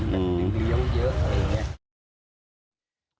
ดึงเดี๋ยวเยอะอะไรอย่างนี้